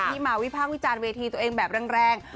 ที่มาวิภาควิจารณ์เวทีตัวเองแบบแรง